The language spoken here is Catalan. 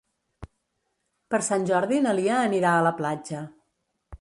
Per Sant Jordi na Lia anirà a la platja.